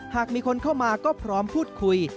หากมีคนเข้ามาก็พร้อมพูดคุย